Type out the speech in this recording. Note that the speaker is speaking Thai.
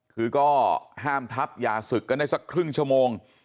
คือก็ห้ามทับอย่าศึกกันได้สักครึ่งชั่วโมง